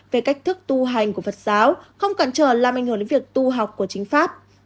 về cách thức tu hành của phật giáo không cản trở làm ảnh hưởng đến việc tu học của chính pháp